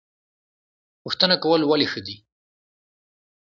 پوښتنه کول ولې ښه دي؟